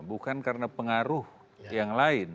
bukan karena pengaruh yang lain